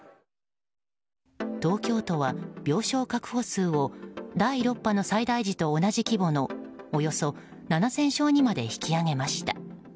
東京都は病床確保数を第６波の最大時と同じ規模のおよそ７０００床にまで引き上げました。